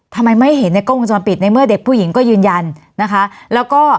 ทำไมไม่เห็นในกล้องวงจรปิดในเมื่อเด็กผู้หญิงก็ยืนยันนะคะแล้วก็